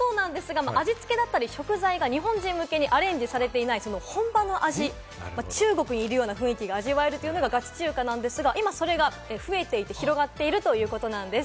味付けだったり食材が日本人向けにアレンジされていない本場の味、中国にいるような雰囲気が味わえるというのがガチ中華なんですが、今それが増えていて、広がっているということです。